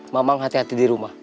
memang hati hati di rumah